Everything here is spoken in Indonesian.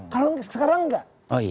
kalau sekarang nggak